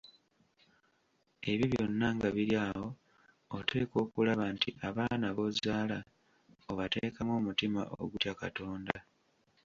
Ebyo byonna nga biri awo, oteekwa okulaba nti abaana b’ozaala obateekamu omutima ogutya Katonda.